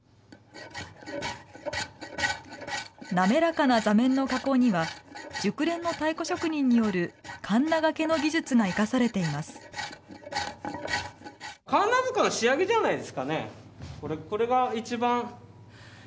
滑らかな座面の加工には、熟練の太鼓職人によるかんながけの技術が生かされています。